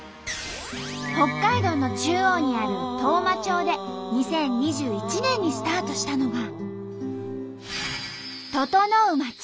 北海道の中央にある当麻町で２０２１年にスタートしたのが。